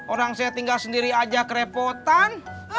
orang saya tinggal sendiri aja kerepotan